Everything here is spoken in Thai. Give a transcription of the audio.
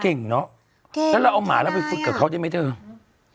เก่งแท่นายอ่ะถ้าเราเอาหมาแล้วไปฝึกกับเขาได้ไหมเจ้า